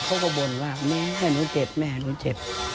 บ่นว่าแม่หนูเจ็บแม่หนูเจ็บ